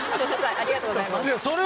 ありがとうございます